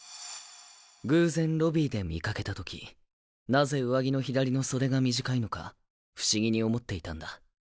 偶然ロビーで見かけたときなぜ上着の左の袖が短いのか不思議に思っていたんだ。